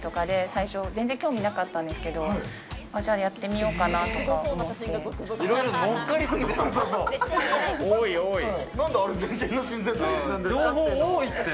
最初全然興味なかったんですけど、じゃあ、やってみようかなって思って。